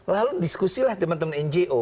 lalu diskusilah teman teman ngo